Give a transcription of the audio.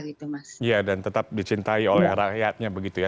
iya dan tetap dicintai oleh rakyatnya begitu ya